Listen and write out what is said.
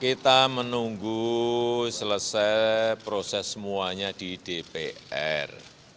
kita menunggu selesai proses semuanya di dpr